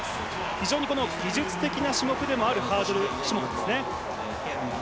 非常に技術的な種目でもあるハードルですね。